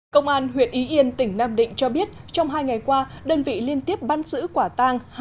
công an huyện ý yên tỉnh nam định cho biết trong hai ngày qua đơn vị liên tiếp bắt giữ quả tang